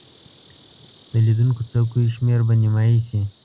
د لیدونکو څوکیو شمیر به نیمایي شي.